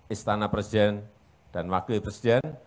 istana presiden dan wakil presiden